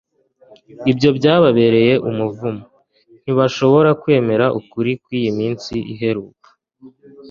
ibyo byababereye umuvumo. ntibashobora kwemera ukuri kw'iyi minsi iheruka